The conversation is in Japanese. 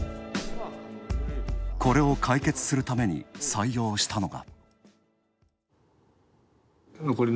これを解決するために採用したのが。